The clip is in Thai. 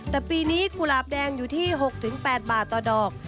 แต่ปีนี้กุหลาบแดงอยู่ที่๖๘บาทต่อดอก